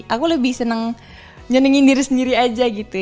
aku lebih seneng nyanyiin diri sendiri aja gitu